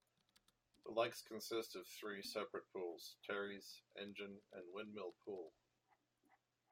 The lakes consist of three separate pools; Terry's, Engine and Windmill Pool.